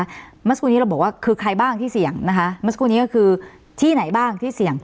เมื่อสักครู่นี้เราบอกว่าคือใครบ้างที่เสี่ยงนะคะเมื่อสักครู่นี้ก็คือที่ไหนบ้างที่เสี่ยง